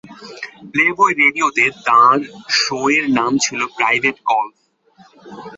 Playboy রেডিওতে তাঁর শোয়ের নাম ছিল "প্রাইভেট কলস"।